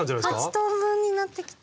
８等分になってきた。